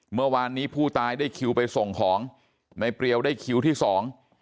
เมื่อวานนี้ผู้ตายได้คิวไปส่งของในเปรียวได้คิวที่สอง